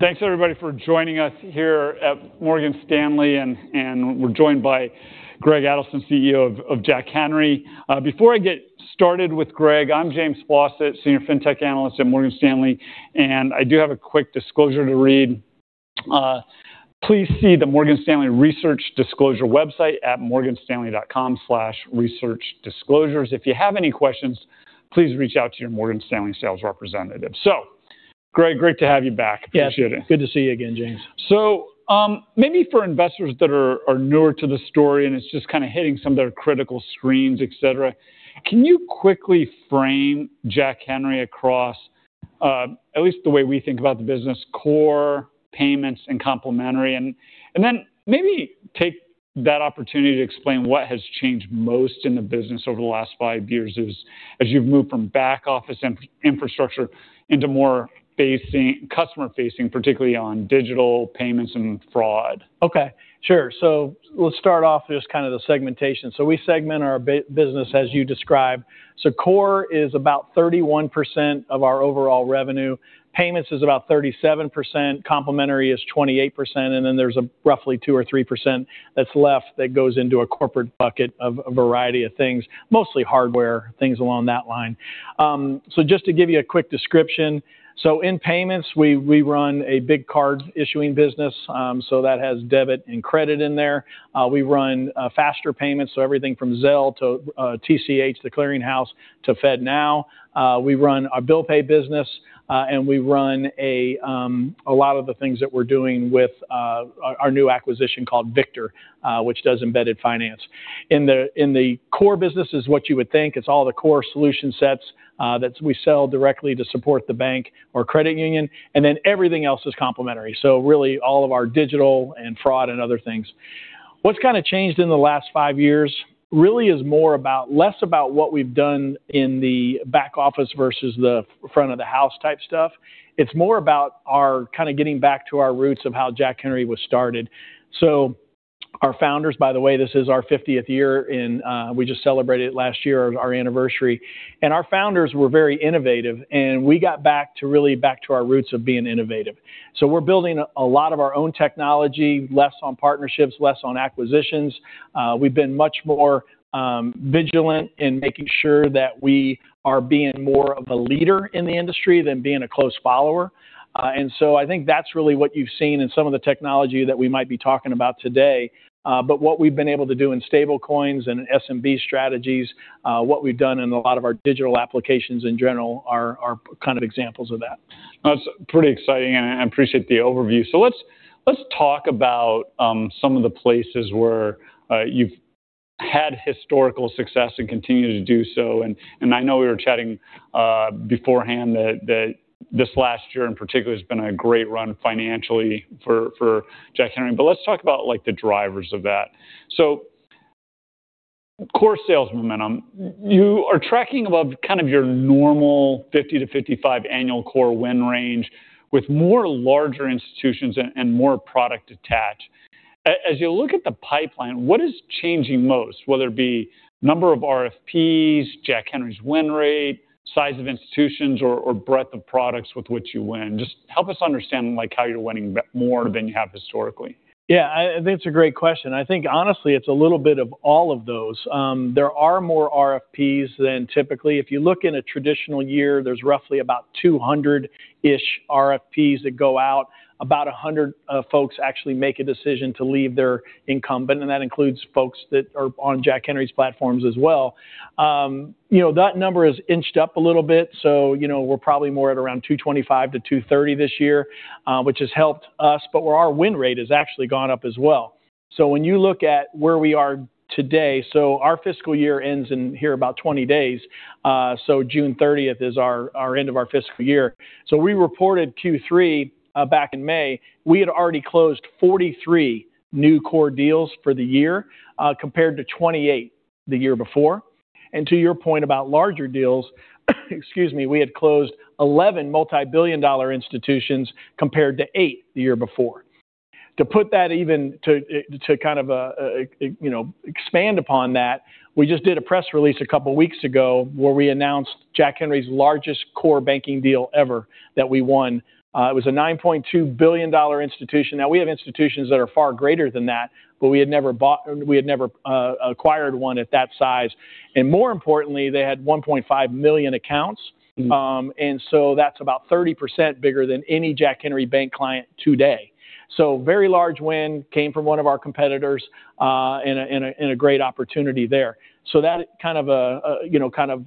Thanks everybody for joining us here at Morgan Stanley. We're joined by Greg Adelson, CEO of Jack Henry. Before I get started with Greg, I'm James Faucette, Senior Fintech Analyst at Morgan Stanley, and I do have a quick disclosure to read. Please see the Morgan Stanley research disclosure website at morganstanley.com/researchdisclosures. If you have any questions, please reach out to your Morgan Stanley sales representative. Greg, great to have you back. Appreciate it. Yeah. Good to see you again, James. Maybe for investors that are newer to the story, and it's just kind of hitting some of their critical screens, et cetera, can you quickly frame Jack Henry across, at least the way we think about the business, core payments and complementary, and then maybe take that opportunity to explain what has changed most in the business over the last five years as you've moved from back-office infrastructure into more customer facing, particularly on digital payments and fraud. Okay, sure. Let's start off just the segmentation we segment our business as you described. Core is about 31% of our overall revenue, payments is about 37%, complementary is 28%, and then there's roughly 2% or 3% that's left that goes into a corporate bucket of a variety of things, mostly hardware, things along that line. Just to give you a quick description. In payments, we run a big card issuing business, so that has debit and credit in there. We run faster payments, so everything from Zelle to TCH, The Clearing House, to FedNow. We run a bill pay business, and we run a lot of the things that we're doing with our new acquisition called Victor, which does embedded finance. In the core business is what you would think. It's all the core solution sets that we sell directly to support the bank or credit union. Everything else is complementary, so really all of our digital and fraud and other things. What's kind of changed in the last five years really is less about what we've done in the back office versus the front of the house type stuff. It's more about our kind of getting back to our roots of how Jack Henry was started. Our founders, by the way, this is our 50th year, and we just celebrated last year our anniversary. Our founders were very innovative, and we got back to really back to our roots of being innovative. We're building a lot of our own technology, less on partnerships, less on acquisitions. We've been much more vigilant in making sure that we are being more of a leader in the industry than being a close follower. I think that's really what you've seen in some of the technology that we might be talking about today. What we've been able to do in stablecoins and SMB strategies, what we've done in a lot of our digital applications in general are kind of examples of that. That's pretty exciting. I appreciate the overview. Let's talk about some of the places where you've had historical success and continue to do so. I know we were chatting beforehand that this last year in particular has been a great run financially for Jack Henry. Let's talk about the drivers of that. Core sales momentum, you are tracking above kind of your normal 50-55 annual core win range with more larger institutions and more product attach. As you look at the pipeline, what is changing most, whether it be number of RFPs, Jack Henry's win rate, size of institutions, or breadth of products with which you win? Just help us understand how you're winning more than you have historically. I think it's a great question, and I think honestly, it's a little bit of all of those. There are more RFPs than typically. If you look in a traditional year, there's roughly about 200-ish RFPs that go out. About 100 folks actually make a decision to leave their incumbent, and that includes folks that are on Jack Henry's platforms as well. That number has inched up a little bit. We're probably more at around 225-230 this year, which has helped us. Our win rate has actually gone up as well. When you look at where we are today, our fiscal year ends in here about 20 days. June 30th is our end of our fiscal year we reported Q3 back in May. We had already closed 43 new core deals for the year, compared to 28 the year before. To your point about larger deals, excuse me, we had closed 11 multi-billion dollar institutions compared to eight the year before. To kind of expand upon that, we just did a press release a couple of weeks ago where we announced Jack Henry's largest core banking deal ever that we won. It was a $9.2 billion institution. Now we have institutions that are far greater than that, but we had never acquired one at that size. More importantly, they had 1.5 million accounts. That's about 30% bigger than any Jack Henry bank client today. Very large win, came from one of our competitors, and a great opportunity there. That kind of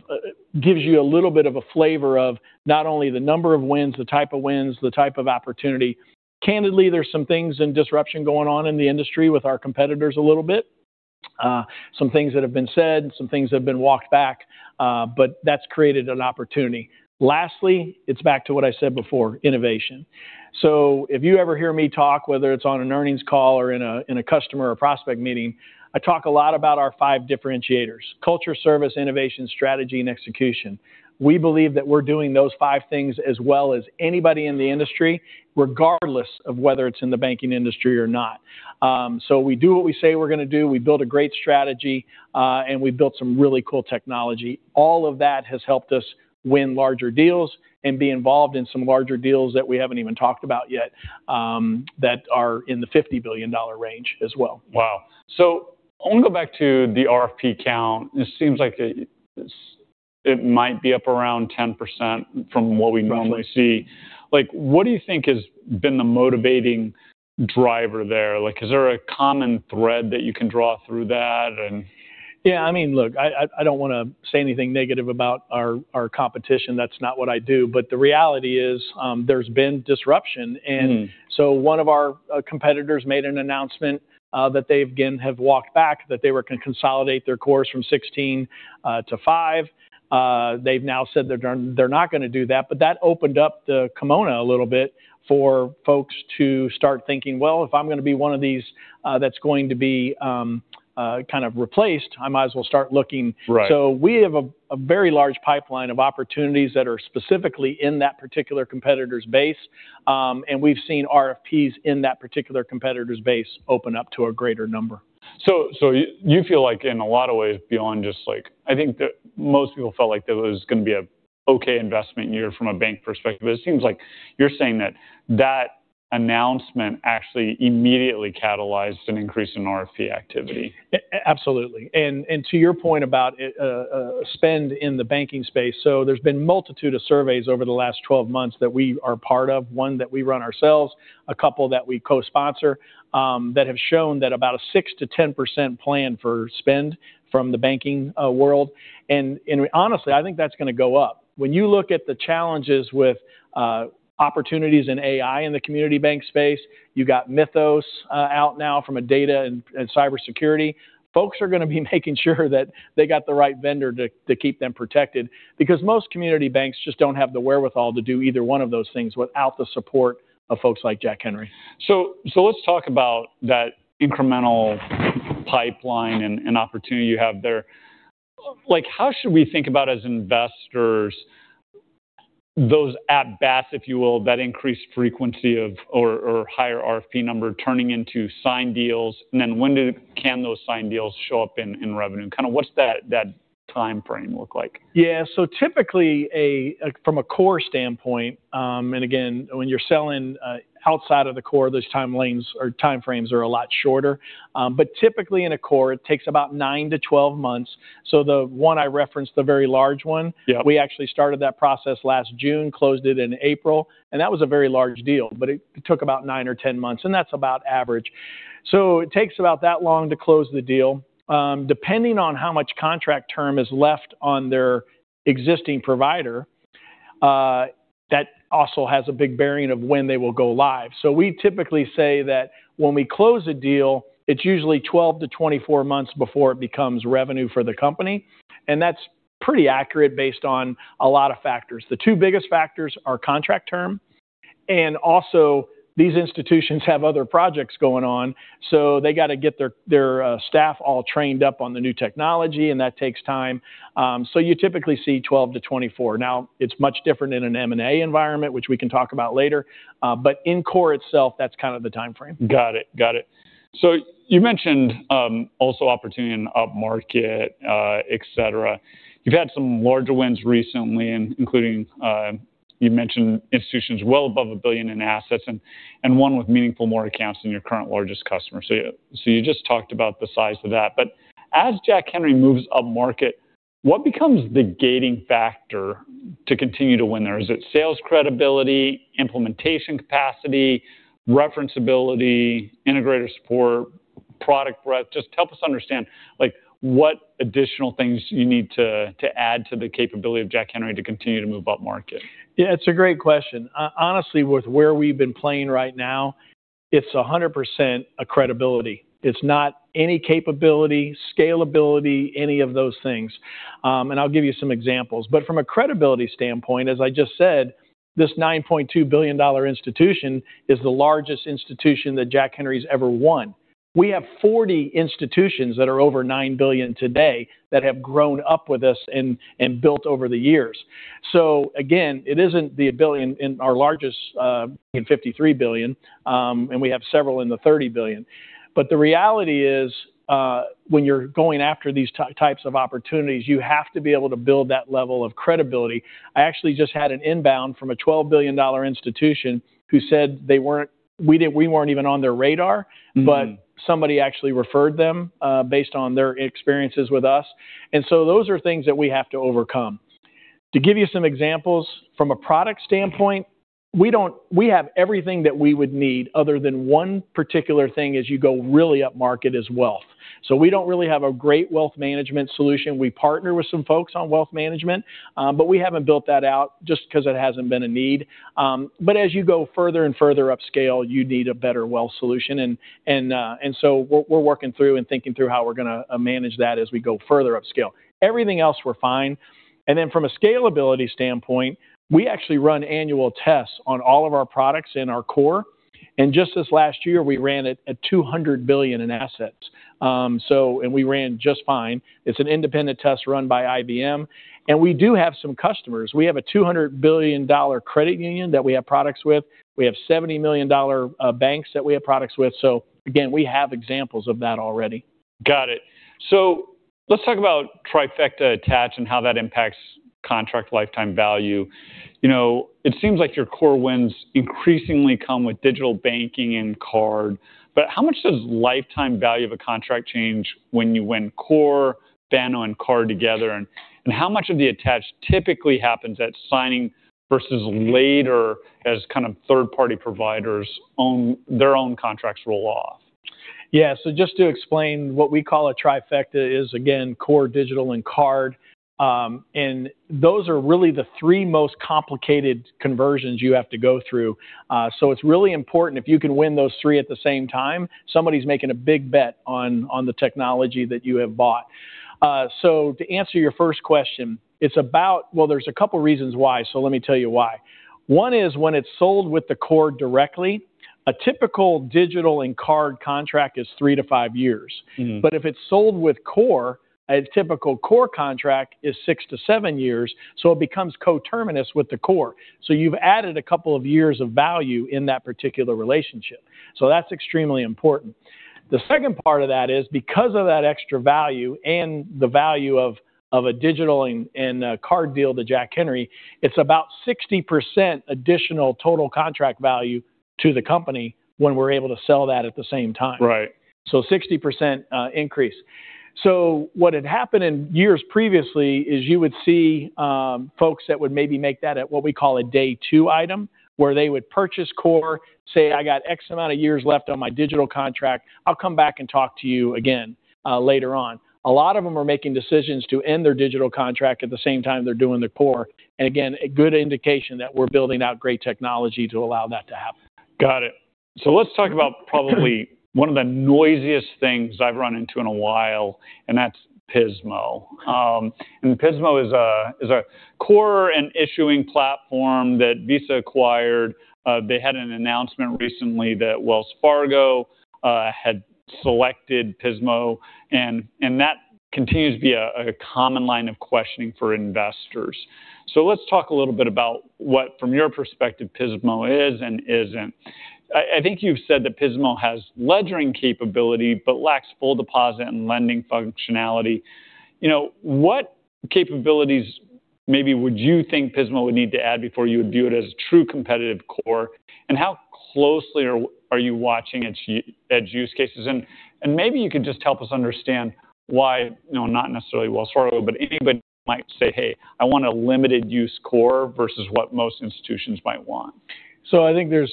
gives you a little bit of a flavor of not only the number of wins, the type of wins, the type of opportunity. Candidly, there's some things in disruption going on in the industry with our competitors a little bit. Some things that have been said, some things that have been walked back, but that's created an opportunity. Lastly, it's back to what I said before, innovation. If you ever hear me talk, whether it's on an earnings call or in a customer or prospect meeting, I talk a lot about our five differentiators: culture, service, innovation, strategy, and execution. We believe that we're doing those five things as well as anybody in the industry, regardless of whether it's in the banking industry or not. We do what we say we're going to do, we build a great strategy, and we built some really cool technology. All of that has helped us win larger deals and be involved in some larger deals that we haven't even talked about yet, that are in the $50 billion range as well. Wow. I want to go back to the RFP count. It seems like it might be up around 10% from what we- Probably normally see. What do you think has been the motivating driver there? Is there a common thread that you can draw through that and Yeah, look, I don't want to say anything negative about our competition that's not what I do. The reality is, there's been disruption one of our competitors made an announcement that they, again, have walked back, that they were going to consolidate their cores from 16 to five. They've now said they're not going to do that opened up the kimono a little bit for folks to start thinking, "Well, if I'm going to be one of these that's going to be kind of replaced, I might as well start looking". Right. We have a very large pipeline of opportunities that are specifically in that particular competitor's base. We've seen RFPs in that particular competitor's base open up to a greater number. You feel like in a lot of ways beyond just I think that most people felt like that was going to be a okay investment year from a bank perspective. It seems like you're saying that that announcement actually immediately catalyzed an increase in RFP activity. Absolutely. To your point about spend in the banking space, there's been multitude of surveys over the last 12 months that we are part of, one that we run ourselves, a couple that we co-sponsor, that have shown that about a 6%-10% plan for spend from the banking world. Honestly, I think that's going to go up. When you look at the challenges with opportunities in AI in the community bank space, you got Mythos out now from a data and cybersecurity. Folks are going to be making sure that they got the right vendor to keep them protected. Because most community banks just don't have the wherewithal to do either one of those things without the support of folks like Jack Henry. Let's talk about that incremental pipeline and opportunity you have there. How should we think about as investors, those at-bats, if you will, that increased frequency of or higher RFP number turning into signed deals, and then when can those signed deals show up in revenue? What's that timeframe look like? Yeah. Typically, from a core standpoint, again, when you're selling outside of the core, those time lanes or timeframes are a lot shorter. Typically in a core, it takes about 9-12 months. The one I referenced, the very large. Yeah we actually started that process last June, closed it in April, and that was a very large deal, but it took about 9 or 10 months, and that's about average. It takes about that long to close the deal. Depending on how much contract term is left on their existing provider, that also has a big bearing of when they will go live. We typically say that when we close a deal, it's usually 12-24 months before it becomes revenue for the company, and that's pretty accurate based on a lot of factors. The two biggest factors are contract term, and also these institutions have other projects going on, so they got to get their staff all trained up on the new technology, and that takes time. You typically see 12-24. It's much different in an M&A environment, which we can talk about later. In core itself, that's kind of the timeframe. Got it. You mentioned, also opportunity in upmarket, et cetera. You've had some larger wins recently, and including, you mentioned institutions well above a billion in assets and one with meaningful more accounts than your current largest customer. You just talked about the size of that. As Jack Henry moves upmarket, what becomes the gating factor to continue to win there? Is it sales credibility, implementation capacity, referenceability, integrator support, product breadth? Just help us understand what additional things you need to add to the capability of Jack Henry to continue to move upmarket. Yeah, it's a great question. Honestly, with where we've been playing right now, it's 100% a credibility. It's not any capability, scalability, any of those things. I'll give you some examples. From a credibility standpoint, as I just said, this $9.2 billion institution is the largest institution that Jack Henry's ever won. We have 40 institutions that are over $9 billion today that have grown up with us and built over the years. Again, it isn't the billion in our largest, in 53 billion, and we have several in the 30 billion. The reality is, when you're going after these types of opportunities, you have to be able to build that level of credibility. I actually just had an inbound from a $12 billion institution who said we weren't even on their radar. Somebody actually referred them based on their experiences with us. Those are things that we have to overcome. To give you some examples from a product standpoint, we have everything that we would need other than one particular thing as you go really upmarket, is wealth. We don't really have a great wealth management solution. We partner with some folks on wealth management, but we haven't built that out just because it hasn't been a need. As you go further and further upscale, you need a better wealth solution. What we're working through and thinking through how we're going to manage that as we go further upscale. Everything else, we're fine. From a scalability standpoint, we actually run annual tests on all of our products in our core. Just this last year, we ran it at $200 billion in assets. We ran just fine. It's an independent test run by IBM. We do have some customers we have a $200 billion credit union that we have products with. We have $70 million banks that we have products with. Again, we have examples of that already. Got it. Let's talk about trifecta attach and how that impacts contract lifetime value. It seems like your core wins increasingly come with digital banking and card, but how much does the lifetime value of a contract change when you win core, Banno, and card together? How much of the attach typically happens at signing versus later as third-party providers own their own contracts roll off? Yeah. Just to explain what we call a trifecta is, again, core, digital, and card. Those are really the three most complicated conversions you have to go through. It's really important if you can win those three at the same time, somebody's making a big bet on the technology that you have bought. To answer your first question, there's a couple of reasons why, let me tell you why. One is when it's sold with the core directly, a typical digital and card contract is three to five years. If it's sold with core, a typical core contract is six to seven years, so it becomes coterminous with the core. You've added a couple of years of value in that particular relationship that's extremely important. The second part of that is because of that extra value and the value of a digital and a card deal to Jack Henry, it's about 60% additional total contract value to the company when we're able to sell that at the same time. Right. 60% increase. What had happened in years previously is you would see folks that would maybe make that at what we call a day-two item, where they would purchase core, say, "I got X amount of years left on my digital contract. I'll come back and talk to you again later on." A lot of them are making decisions to end their digital contract at the same time they're doing their core. Again, a good indication that we're building out great technology to allow that to happen. Got it. Let's talk about probably one of the noisiest things I've run into in a while, and that's Pismo. Pismo is a core and issuing platform that Visa acquired. They had an announcement recently that Wells Fargo had selected Pismo, and that continues to be a common line of questioning for investors. Let's talk a little bit about what, from your perspective Pismo is and isn't. I think you've said that Pismo has ledgering capability but lacks full deposit and lending functionality. What capabilities maybe would you think Pismo would need to add before you would view it as a true competitive core? How closely are you watching its use cases? Maybe you could just help us understand why, not necessarily Wells Fargo, but anybody might say, "Hey, I want a limited-use core versus what most institutions might want. I think there's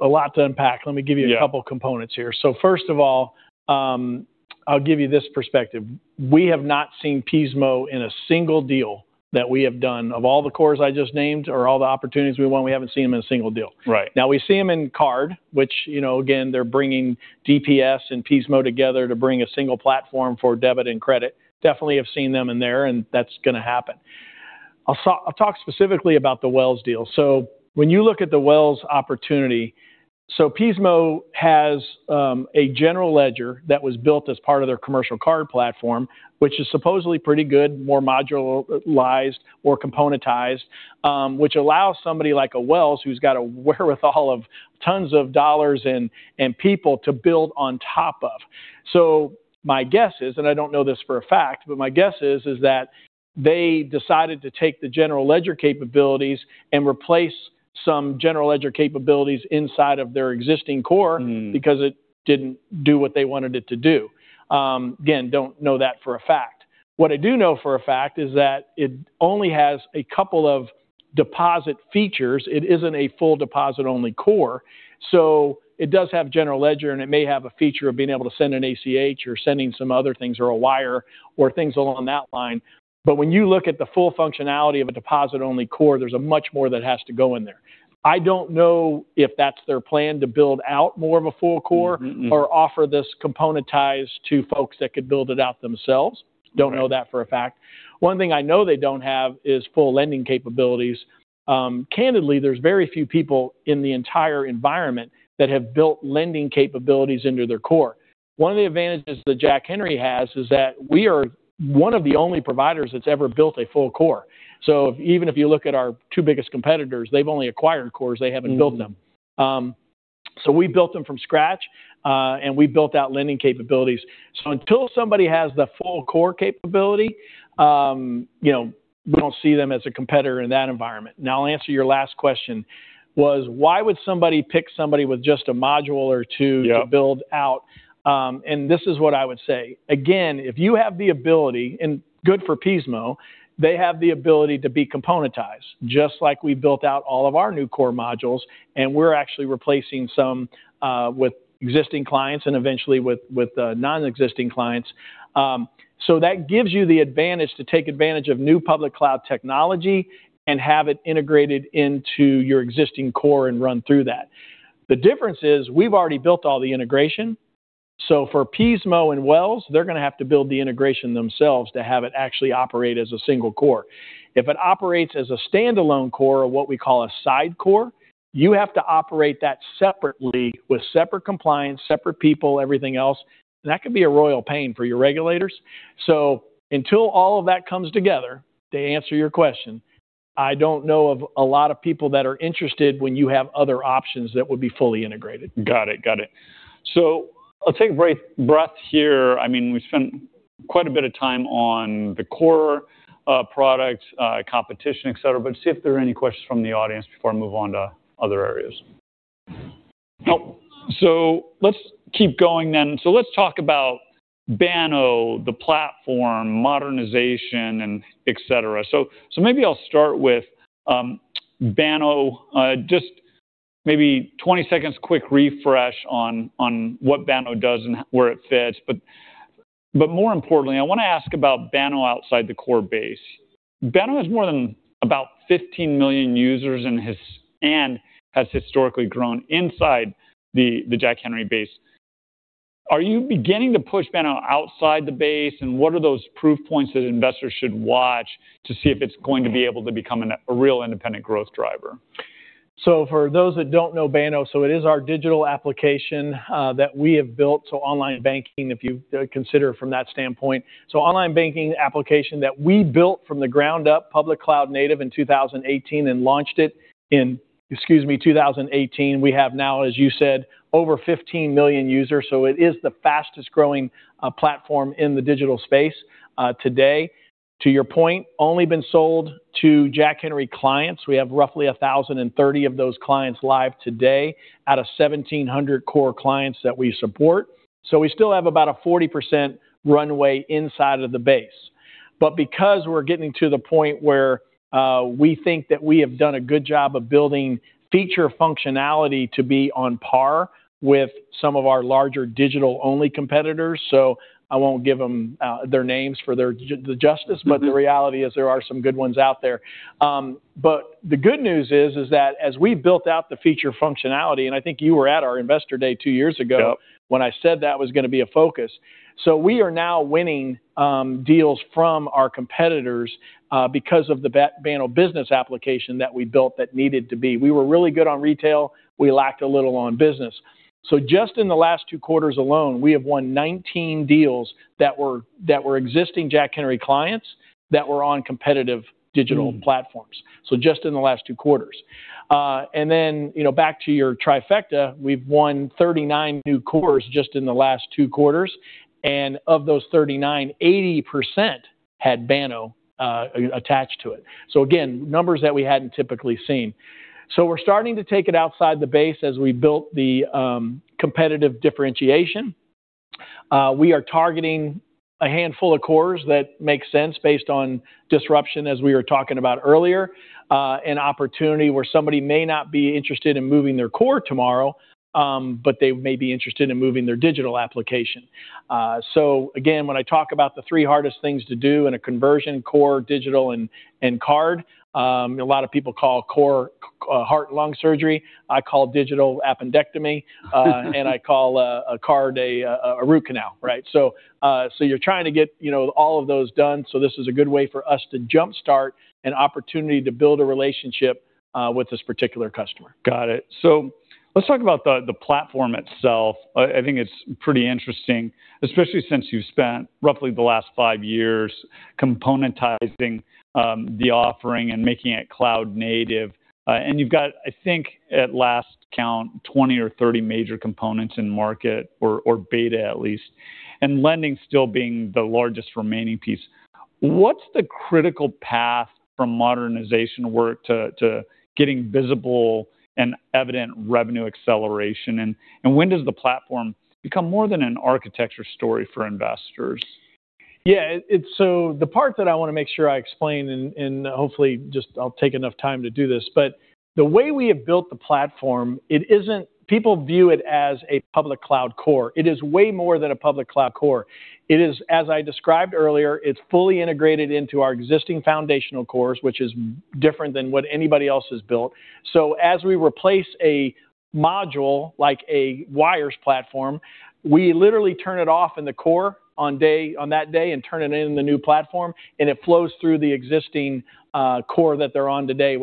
a lot to unpack. Let me give you. Yeah a couple components here. First of all, I'll give you this perspective. We have not seen Pismo in a single deal that we have done. Of all the cores I just named or all the opportunities we won, we haven't seen them in a single deal. Right. We see them in card, which again, they're bringing DPS and Pismo together to bring a single platform for debit and credit. Definitely have seen them in there, and that's going to happen. I'll talk specifically about the Wells deal. When you look at the Wells opportunity, so Pismo has a general ledger that was built as part of their commercial card platform, which is supposedly pretty good, more modularized or componentized, which allows somebody like a Wells who's got a wherewithal of tons of dollars and people to build on top of. My guess is, and I don't know this for a fact, but my guess is that they decided to take the general ledger capabilities and replace some general ledger capabilities inside of their existing core because it didn't do what they wanted it to do. Again, don't know that for a fact. What I do know for a fact is that it only has a couple of deposit features. It isn't a full deposit-only core. It does have general ledger, and it may have a feature of being able to send an ACH or sending some other things or a wire or things along that line. When you look at the full functionality of a deposit-only core, there's much more that has to go in there. I don't know if that's their plan to build out more of a full core. Mm-mm Or offer this componentized to folks that could build it out themselves. Right. Don't know that for a fact. One thing I know they don't have is full lending capabilities. Candidly, there's very few people in the entire environment that have built lending capabilities into their core. One of the advantages that Jack Henry has is that we are one of the only providers that's ever built a full core. Even if you look at our two biggest competitors, they've only acquired cores. They haven't built them. We built them from scratch, and we built out lending capabilities. Until somebody has the full core capability, we don't see them as a competitor in that environment. Now, I'll answer your last question, was why would somebody pick somebody with just a module or two Yeah to build out? This is what I would say. Again, if you have the ability, and good for Pismo, they have the ability to be componentized, just like we built out all of our new core modules, and we're actually replacing some with existing clients and eventually with non-existing clients. That gives you the advantage to take advantage of new public cloud technology and have it integrated into your existing core and run through that. The difference is we've already built all the integration. For Pismo and Wells, they're going to have to build the integration themselves to have it actually operate as a single core. If it operates as a standalone core or what we call a side core, you have to operate that separately with separate compliance, separate people, everything else. That could be a royal pain for your regulators. Until all of that comes together, to answer your question, I don't know of a lot of people that are interested when you have other options that would be fully integrated. Got it. I'll take a breath here. We've spent quite a bit of time on the core product, competition, et cetera. See if there are any questions from the audience before I move on to other areas. Let's keep going then. Let's talk about Banno, the platform, modernization, and et cetera. Maybe I'll start with Banno, just maybe 20 seconds quick refresh on what Banno does and where it fits. But more importantly, I want to ask about Banno outside the core base. Banno has more than about 15 million users and has historically grown inside the Jack Henry base. Are you beginning to push Banno outside the base, and what are those proof points that investors should watch to see if it's going to be able to become a real independent growth driver? For those that don't know Banno, it is our digital application that we have built. Online banking, if you consider it from that standpoint. Online banking application that we built from the ground up, public cloud native in 2018, and launched it in, excuse me, 2018. We have now, as you said, over 15 million users. It is the fastest-growing platform in the digital space today. To your point, only been sold to Jack Henry clients. We have roughly 1,030 of those clients live today out of 1,700 core clients that we support. We still have about a 40% runway inside of the base. Because we're getting to the point where we think that we have done a good job of building feature functionality to be on par with some of our larger digital-only competitors. I won't give them their names for the justice. The reality is there are some good ones out there. The good news is that as we built out the feature functionality, and I think you were at our investor day two years ago- Yep when I said that was going to be a focus. We are now winning deals from our competitors because of the Banno business application that we built that needed to be. We were really good on retail. We lacked a little on business. Just in the last two quarters alone, we have won 19 deals that were existing Jack Henry clients that were on competitive digital platforms. Just in the last two quarters. Back to your trifecta, we've won 39 new cores just in the last two quarters of those 39, 80% had Banno attached to it. Again, numbers that we hadn't typically seen we're starting to take it outside the base as we built the competitive differentiation. We are targeting a handful of cores that make sense based on disruption, as we were talking about earlier. An opportunity where somebody may not be interested in moving their core tomorrow, but they may be interested in moving their digital application. Again, when I talk about the three hardest things to do in a conversion core digital and card, a lot of people call core heart and lung surgery, I call digital appendectomy, I call a card a root canal. You're trying to get all of those done. This is a good way for us to jumpstart an opportunity to build a relationship with this particular customer. Got it. Let's talk about the platform itself. I think it's pretty interesting, especially since you've spent roughly the last five years componentizing the offering and making it cloud-native. You've got, I think at last count, 20 or 30 major components in market or beta at least, and lending still being the largest remaining piece. What's the critical path from modernization work to getting visible and evident revenue acceleration? When does the platform become more than an architecture story for investors? Yeah. The part that I want to make sure I explain, and hopefully just I'll take enough time to do this, but the way we have built the platform, people view it as a public cloud core. It is way more than a public cloud core. It is, as I described earlier, it's fully integrated into our existing foundational cores, which is different than what anybody else has built. As we replace a module like a wires platform, we literally turn it off in the core on that day and turn it in the new platform, and it flows through the existing core that they're on today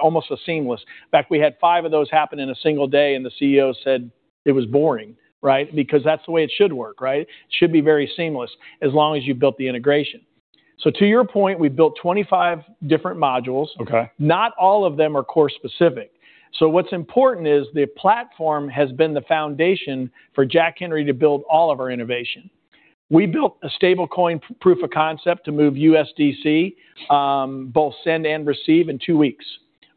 almost a seamless. In fact, we had five of those happen in a single day, and the CEO said it was boring. That's the way it should work. It should be very seamless as long as you built the integration. To your point, we built 25 different modules. Okay. Not all of them are core specific. What's important is the platform has been the foundation for Jack Henry to build all of our innovation. We built a stablecoin proof of concept to move USDC, both send and receive in two weeks.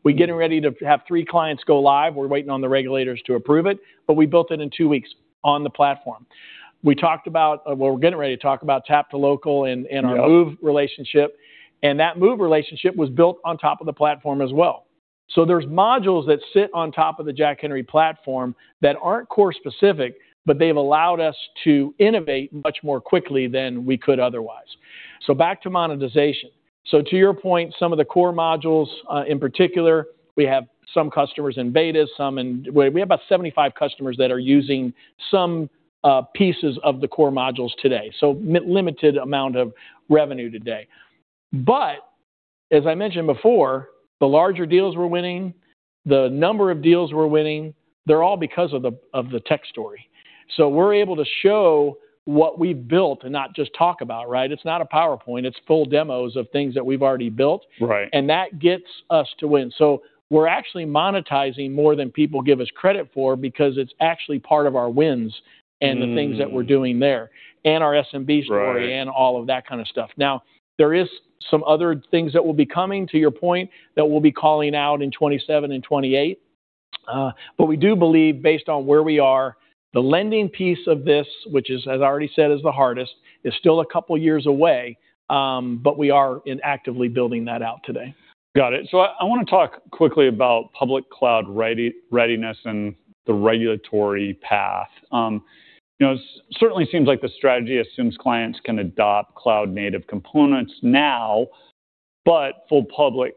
We're getting ready to have three clients go live. We're waiting on the regulators to approve it, but we built it in two weeks on the platform. Well, we're getting ready to talk about Tap2Local. Yep Moov relationship, that Moov relationship was built on top of the platform as well. There's modules that sit on top of the Jack Henry platform that aren't core specific, but they've allowed us to innovate much more quickly than we could otherwise. Back to monetization, to your point, some of the core modules, in particular, we have some customers in beta, we have about 75 customers that are using some pieces of the core modules today limited amount of revenue today. As I mentioned before, the larger deals we're winning, the number of deals we're winning, they're all because of the tech story. We're able to show what we've built and not just talk about it. It's not a PowerPoint, it's full demos of things that we've already built. Right. That gets us to win. We're actually monetizing more than people give us credit for because it's actually part of our wins. The things that we're doing there, and our SMB story. Right All of that kind of stuff. There is some other things that will be coming, to your point, that we'll be calling out in 2027 and 2028. We do believe, based on where we are, the lending piece of this, which is, as I already said, is the hardest, is still a couple years away, but we are actively building that out today. Got it. I want to talk quickly about public cloud readiness and the regulatory path. It certainly seems like the strategy assumes clients can adopt cloud-native components now, but full public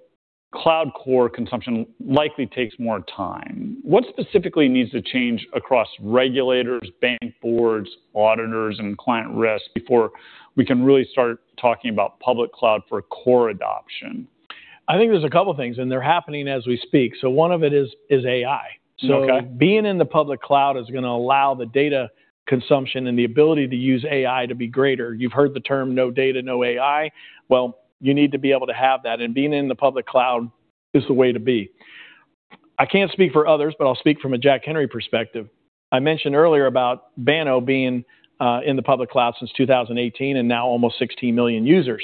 cloud core consumption likely takes more time. What specifically needs to change across regulators, bank boards, auditors, and client risk before we can really start talking about public cloud for core adoption? I think there's a couple things, and they're happening as we speak. One of it is AI. Okay. Being in the public cloud is going to allow the data consumption and the ability to use AI to be greater. You've heard the term "no data, no AI." Well, you need to be able to have that, and being in the public cloud is the way to be. I can't speak for others, but I'll speak from a Jack Henry perspective. I mentioned earlier about Banno being in the public cloud since 2018, and now almost 16 million users.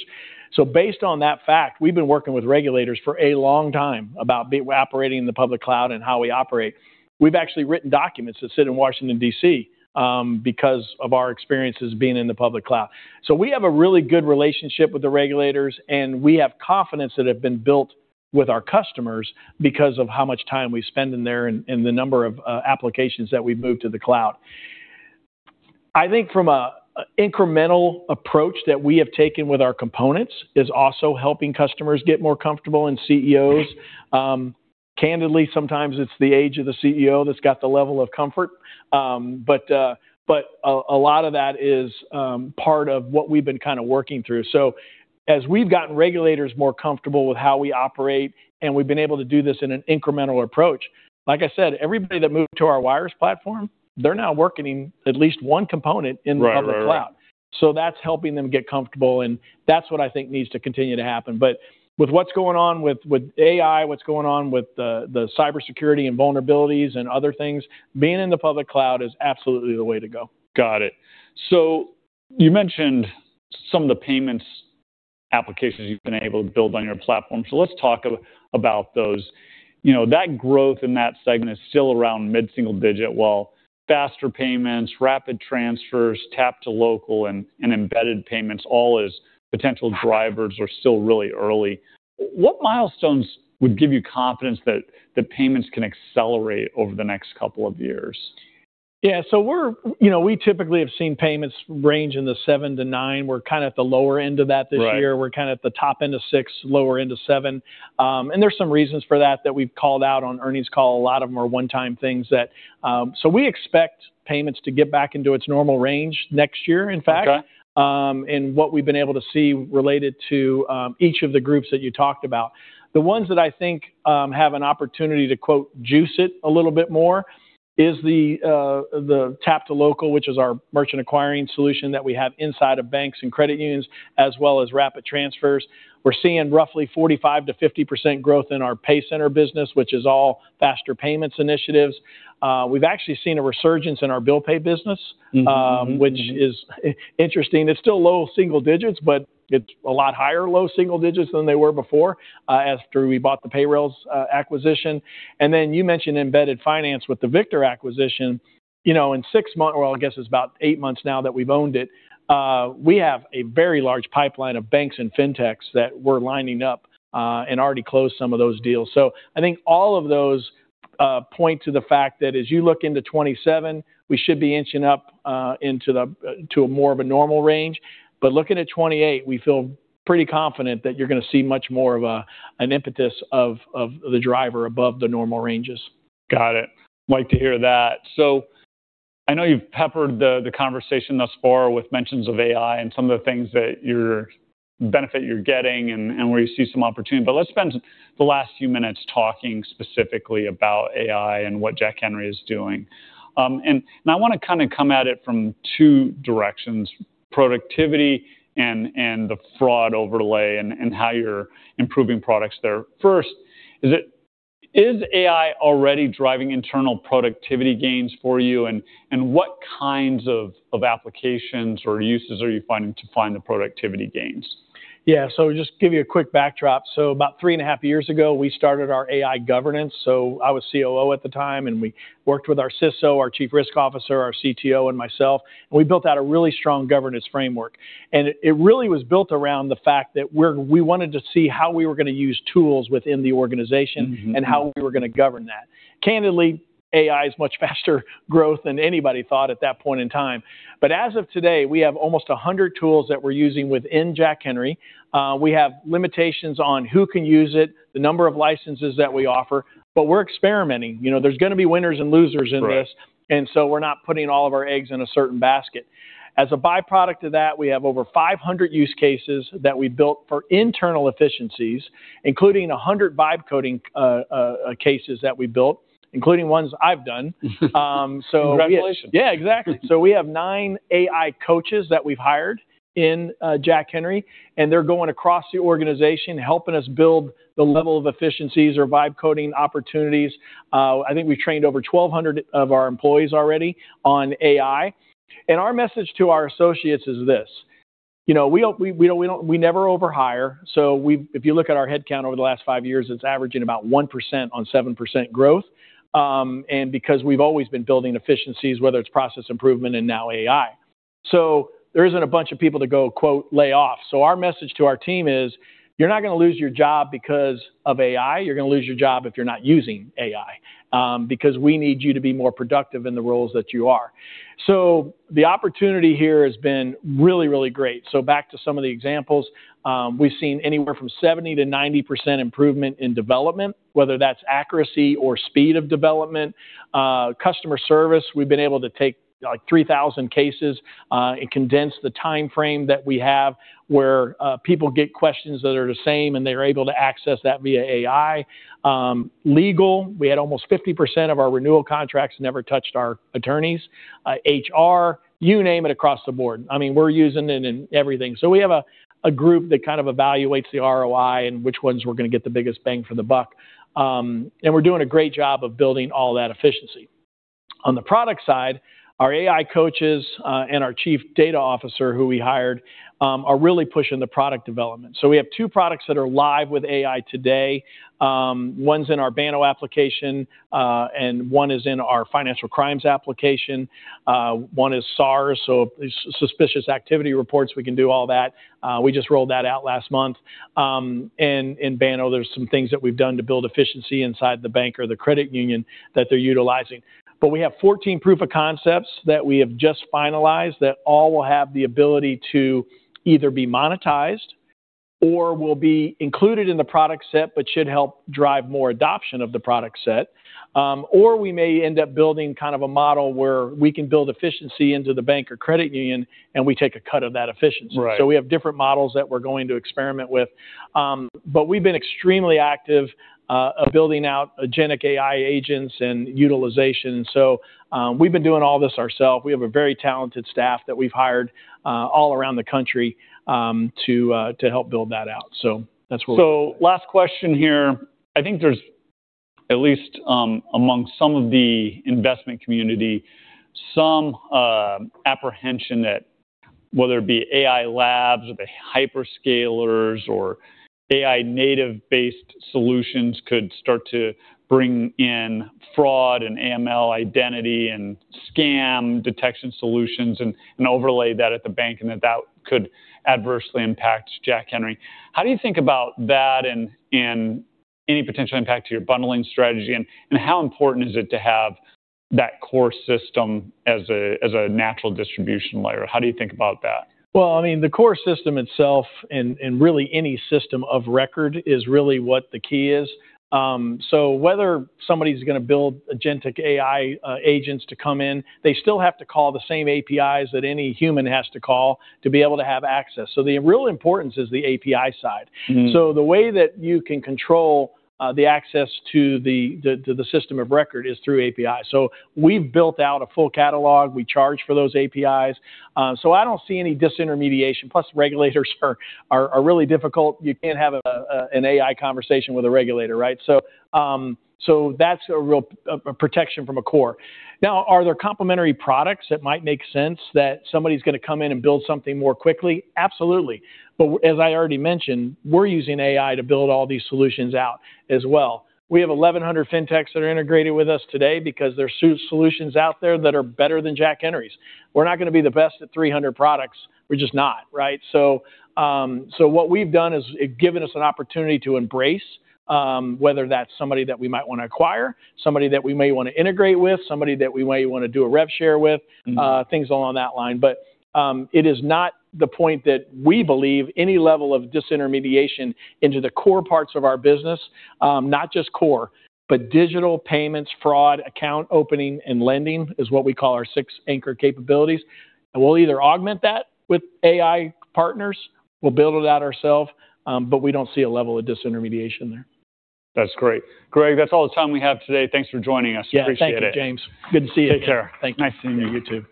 Based on that fact, we've been working with regulators for a long time about operating in the public cloud and how we operate. We've actually written documents that sit in Washington, D.C., because of our experiences being in the public cloud. We have a really good relationship with the regulators, and we have confidence that have been built with our customers because of how much time we spend in there and the number of applications that we've moved to the cloud. I think from an incremental approach that we have taken with our components is also helping customers get more comfortable, and CEOs. Candidly, sometimes it's the age of the CEO that's got the level of comfort. A lot of that is part of what we've been working through. As we've gotten regulators more comfortable with how we operate and we've been able to do this in an incremental approach, like I said, everybody that moved to our wires platform, they're now working at least one component in the public cloud. Right. That's helping them get comfortable, and that's what I think needs to continue to happen. With what's going on with AI, what's going on with the cybersecurity and vulnerabilities and other things, being in the public cloud is absolutely the way to go. Got it. You mentioned some of the payments applications you've been able to build on your platform. Let's talk about those. That growth in that segment is still around mid-single digit, while faster payments, Rapid Transfers, Tap2Local, and embedded payments, all as potential drivers are still really early. What milestones would give you confidence that the payments can accelerate over the next couple of years? Yeah. We typically have seen payments range in the 7%-9%. We're at the lower end of that this year. Right. We're at the top end of 6%, lower end of 7%. There's some reasons for that that we've called out on earnings call. A lot of them are one-time things. We expect payments to get back into its normal range next year, in fact. Okay. In what we've been able to see related to each of the groups that you talked about. The ones that I think have an opportunity to, quote, "juice it a little bit more," is the Tap2Local, which is our merchant acquiring solution that we have inside of banks and credit unions, as well as Rapid Transfers. We're seeing roughly 45%-50% growth in our PayCenter business, which is all faster payments initiatives. We've actually seen a resurgence in our bill pay business. Which is interesting. It's still low single digits, but it's a lot higher low single digits than they were before, after we bought the Payrailz acquisition. Then you mentioned embedded finance with the Victor acquisition. In six months, well, I guess it's about eight months now that we've owned it, we have a very large pipeline of banks and Fintechs that we're lining up, and already closed some of those deals. I think all of those point to the fact that as you look into 2027, we should be inching up into more of a normal range. Looking at 2028, we feel pretty confident that you're going to see much more of an impetus of the driver above the normal ranges. Got it. Like to hear that. I know you've peppered the conversation thus far with mentions of AI and some of the things that benefit you're getting and where you see some opportunity. Let's spend the last few minutes talking specifically about AI and what Jack Henry is doing. I want to come at it from two directions, productivity and the fraud overlay and how you're improving products there. First, is AI already driving internal productivity gains for you? What kinds of applications or uses are you finding to find the productivity gains? Yeah. Just give you a quick backdrop. About three and a half years ago, we started our AI governance. I was COO at the time, we worked with our CISO, our chief risk officer, our CTO, and myself, we built out a really strong governance framework. It really was built around the fact that we wanted to see how we were going to use tools within the organization- How we were going to govern that. Candidly, AI is much faster growth than anybody thought at that point in time. As of today, we have almost 100 tools that we're using within Jack Henry. We have limitations on who can use it, the number of licenses that we offer, but we're experimenting. There's going to be winners and losers in this. Right. We're not putting all of our eggs in a certain basket. As a byproduct of that, we have over 500 use cases that we built for internal efficiencies, including 100 vibe coding cases that we built, including ones I've done. Congratulations. We have nine AI coaches that we've hired in Jack Henry, and they're going across the organization, helping us build the level of efficiencies or vibe coding opportunities. I think we've trained over 1,200 of our employees already on AI. Our message to our associates is this: we never over-hire, so if you look at our head count over the last five years, it's averaging about 1% on 7% growth, because we've always been building efficiencies, whether it's process improvement and now AI. There isn't a bunch of people to go lay off. Our message to our team is you're not going to lose your job because of AI. You're going to lose your job if you're not using AI. We need you to be more productive in the roles that you are. The opportunity here has been really, really great. Back to some of the examples. We've seen anywhere from 70%-90% improvement in development, whether that's accuracy or speed of development. Customer service, we've been able to take 3,000 cases and condense the timeframe that we have where people get questions that are the same, and they're able to access that via AI. Legal, we had almost 50% of our renewal contracts never touched our attorneys, HR, you name it across the board. We're using it in everything. We have a group that kind of evaluates the ROI and which ones we're going to get the biggest bang for the buck. We're doing a great job of building all that efficiency. On the product side, our AI coaches, and our chief data officer, who we hired, are really pushing the product development. We have two products that are live with AI today. One's in our Banno application, and one is in our financial crimes application. One is SAR, so suspicious activity reports, we can do all that. We just rolled that out last month. In Banno, there's some things that we've done to build efficiency inside the bank or the credit union that they're utilizing. We have 14 proof of concepts that we have just finalized that all will have the ability to either be monetized or will be included in the product set, but should help drive more adoption of the product set. We may end up building a model where we can build efficiency into the bank or credit union, and we take a cut of that efficiency. Right. We have different models that we're going to experiment with. We've been extremely active of building out agentic AI agents and utilization. We've been doing all this ourselves. We have a very talented staff that we've hired all around the country to help build that out. That's where we're at. Last question here. I think there's at least, among some of the investment community, some apprehension that whether it be AI labs or the hyperscalers or AI native-based solutions could start to bring in fraud and AML identity and scam detection solutions and overlay that at the bank, and that that could adversely impact Jack Henry. How do you think about that and any potential impact to your bundling strategy, and how important is it to have that core system as a natural distribution layer? How do you think about that? Well, the core system itself and really any system of record is really what the key is. Whether somebody's going to build agentic AI agents to come in, they still have to call the same APIs that any human has to call to be able to have access. The real importance is the API side. The way that you can control the access to the system of record is through API. We've built out a full catalog. We charge for those APIs. I don't see any disintermediation. Plus, regulators are really difficult. You can't have an AI conversation with a regulator, right? That's a real protection from a core. Now, are there complementary products that might make sense that somebody's going to come in and build something more quickly? Absolutely. As I already mentioned, we're using AI to build all these solutions out as well. We have 1,100 Fintechs that are integrated with us today because there are solutions out there that are better than Jack Henry's. We're not going to be the best at 300 products. We're just not. What we've done is given us an opportunity to embrace, whether that's somebody that we might want to acquire, somebody that we may want to integrate with, somebody that we may want to do a rev share with. Things along that line. It is not the point that we believe any level of disintermediation into the core parts of our business, not just core, but digital payments, fraud, account opening, and lending, is what we call our six anchor capabilities. We'll either augment that with AI partners, we'll build it out ourselves, but we don't see a level of disintermediation there. That's great. Greg, that's all the time we have today. Thanks for joining us. Yeah. Appreciate it. Thank you, James. Good to see you. Take care. Thank you. Nice seeing you too.